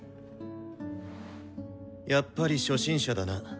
やっぱり初心者だな。